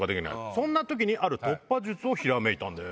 そんな時にある突破術をひらめいたんです。